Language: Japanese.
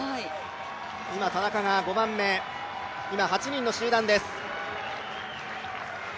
今、田中が５番目、８人の集団です。